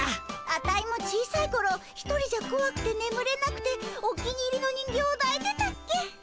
アタイも小さいころ一人じゃこわくて眠れなくてお気に入りの人形をだいてたっけ。